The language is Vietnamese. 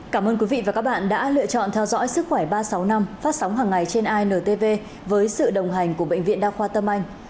cảm ơn quý vị và các bạn đã lựa chọn theo dõi sức khỏe ba trăm sáu mươi năm phát sóng hàng ngày trên intv với sự đồng hành của bệnh viện đa khoa tâm anh